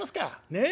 ねえ。